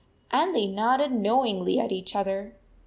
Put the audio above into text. And they nodded knowingly at each other.